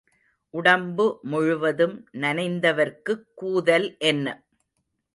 உடம்பு முழுவதும் நனைந்தவர்க்குக் கூதல் என்ன?